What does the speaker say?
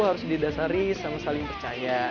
harus didasari sama saling percaya